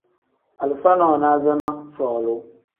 Alifa nonaza ni folu.